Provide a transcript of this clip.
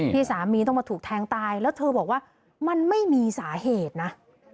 ที่สามีต้องมาถูกแทงตายแล้วเธอบอกว่ามันไม่มีสาเหตุนะ